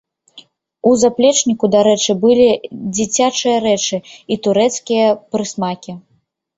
У заплечніку, дарэчы, былі дзіцячыя рэчы і турэцкія прысмакі.